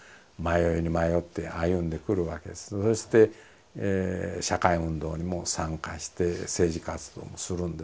そして社会運動にも参加して政治活動もするんですね。